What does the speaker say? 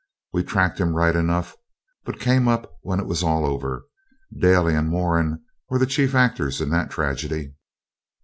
We tracked him right enough, but came up when it was all over. Daly and Moran were the chief actors in that tragedy.'